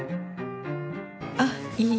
あっいい。